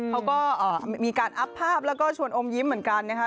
เขาก็มีการอัพภาพแล้วก็ชวนอมยิ้มเหมือนกันนะคะ